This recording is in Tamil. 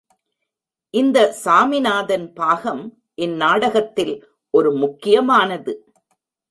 இந்த சாமிநாதன் பாகம் இந்நாடகத்தில் ஒரு முக்கியமானது.